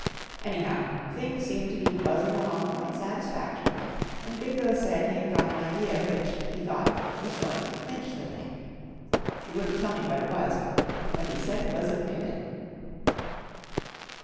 Anyhow, things seemed to be buzzing along quite satisfactorily, and Bingo said he had got an idea which, he thought, was going to clinch the thing. He wouldn't tell me what it was, but he said it was a pippin.